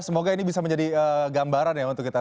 semoga ini bisa menjadi gambaran ya untuk kita